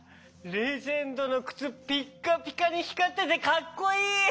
レジェンドのくつピッカピカにひかっててカッコいい！